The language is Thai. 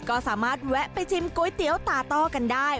ก็สามารถแวะไปชิมก๋วยเตี๋ยวตาต้อกันได้